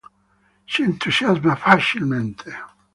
Si entusiasma facilmente.